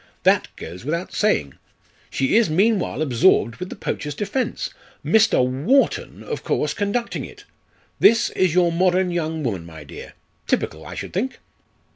That goes without saying. She is meanwhile absorbed with the poacher's defence, Mr. Wharton, of course, conducting it. This is your modern young woman, my dear typical, I should think."